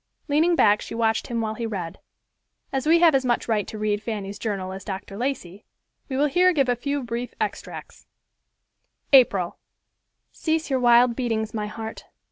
Leaning back she watched him while he read. As we have as much right to read Fanny's journal as Dr. Lacey, we will here give a few brief extracts: April—"Cease your wild beatings, my heart.